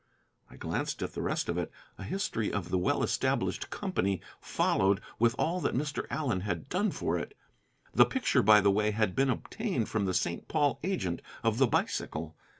I glanced at the rest of it: a history of the well established company followed, with all that Mr. Allen had done for it. The picture, by the way, had been obtained from the St. Paul agent of the bicycle.